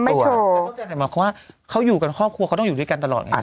เขาเข้าใจหมายความว่าเขาอยู่กันครอบครัวเขาต้องอยู่ด้วยกันตลอดไง